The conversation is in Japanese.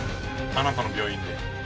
「あなたの病院で」